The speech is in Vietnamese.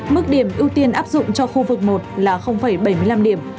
mức điểm ưu tiên áp dụng cho khu vực một là bảy mươi năm điểm